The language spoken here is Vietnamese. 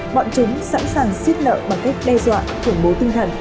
bọn chúng sẵn sàng xích nợ bằng cách đe dọa thủng bố tinh thần